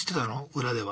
裏では。